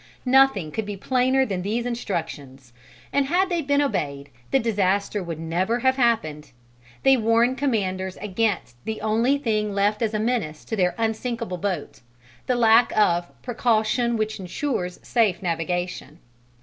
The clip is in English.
Nothing could be plainer than these instructions, and had they been obeyed, the disaster would never have happened: they warn commanders against the only thing left as a menace to their unsinkable boat the lack of "precaution which ensures safe navigation."